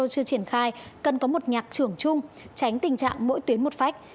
chưa triển khai cần có một nhạc trưởng chung tránh tình trạng mỗi tuyến một phách